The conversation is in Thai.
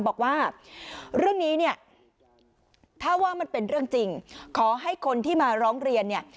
บอกว่าเรื่องนี้เนี่ยถ้าว่ามันเป็นเรื่องจริงขอให้คนที่มาร้องเรียนเนี่ย